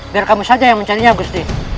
biar kamu saja yang mencarinya gusti